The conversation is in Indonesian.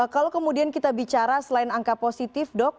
kalau kemudian kita bicara selain angka positif dok